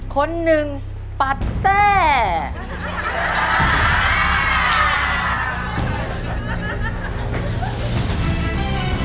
คนหนึ่งปัดแทร่